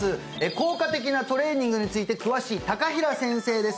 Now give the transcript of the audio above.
効果的なトレーニングについて詳しい高平先生です